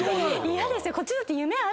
嫌ですよ。